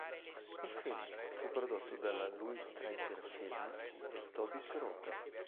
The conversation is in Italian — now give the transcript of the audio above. Il film fu prodotto dalla Luis Trenker-Film e Tobis-Rota.